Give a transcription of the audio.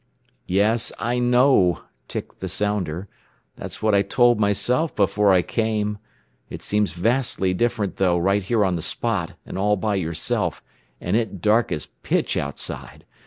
"Yes, I know," ticked the sounder. "That's what I told myself before I came. It seems vastly different, though, right here on the spot, and all by yourself, and it dark as pitch outside.